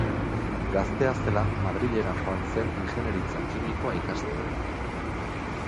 Gaztea zela Madrilera joan zen ingeniaritza kimikoa ikastera.